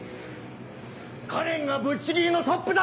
花恋がぶっちぎりのトップだ！